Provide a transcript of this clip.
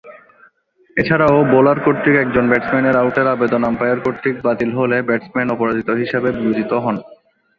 এছাড়াও, বোলার কর্তৃক একজন ব্যাটসম্যানের আউটের আবেদন আম্পায়ার কর্তৃক বাতিল হলে ব্যাটসম্যান অপরাজিত হিসেবে বিবেচিত হন।